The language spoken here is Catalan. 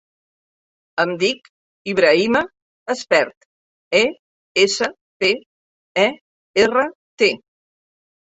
Em dic Ibrahima Espert: e, essa, pe, e, erra, te.